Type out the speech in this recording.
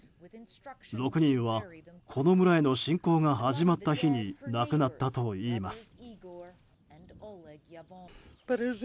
６人は、この村への侵攻が始まった日に亡くなったといいます。